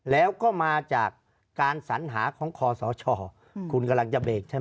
แล้วก็มาจากการสัญหาของคอสชคุณกำลังจะเบรกใช่ไหม